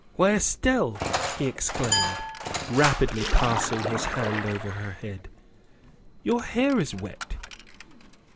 " Why, Estelle," he exclaimed, rapidly passing his hand over her head, " your hair is wet!"